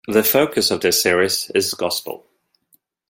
The focus of this series is gospel.